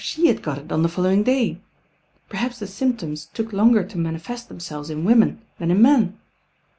•he had got it on the foUowing day. Perhao. thi .ymptom. took longer to manifest' thfSat women than in men.